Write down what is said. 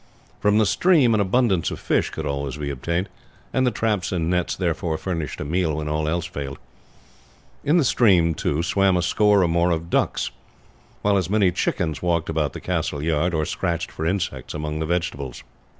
From the stream an abundance of fish could always be obtained, and the traps and nets therefore furnished a meal when all else failed. In the stream, too, swam a score and more of ducks, while as many chickens walked about the castle yard, or scratched for insects among the vegetables.